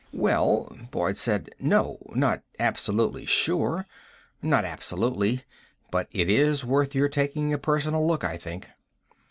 "Well," Boyd said, "no. Not absolutely sure. Not absolutely. But it is worth your taking a personal look, I think."